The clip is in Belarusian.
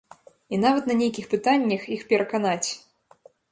І нават на нейкіх пытаннях іх пераканаць.